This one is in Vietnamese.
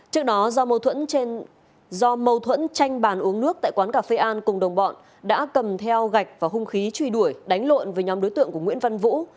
trước đó do mâu thuẫn do mâu thuẫn tranh bàn uống nước tại quán cà phê an cùng đồng bọn đã cầm theo gạch và hung khí truy đuổi đánh lộn với nhóm đối tượng của nguyễn văn vũ